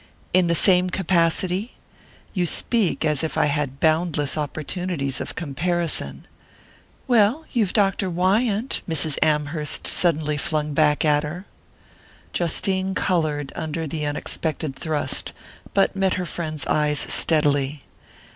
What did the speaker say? "In the same capacity? You speak as if I had boundless opportunities of comparison." "Well, you've Dr. Wyant!" Mrs. Amherst suddenly flung back at her. Justine coloured under the unexpected thrust, but met her friend's eyes steadily.